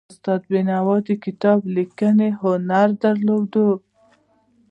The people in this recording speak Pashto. استاد بینوا د کتاب لیکلو هنر درلود.